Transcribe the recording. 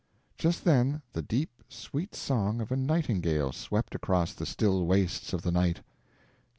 Just then the deep, sweet song of a nightingale swept across the still wastes of the night.